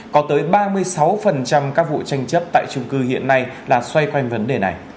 có tới ba mươi sáu các vụ tranh chấp tại trung cư hiện nay là xoay quanh vấn đề này